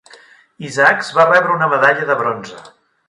Isaacs va rebre una medalla de bronze.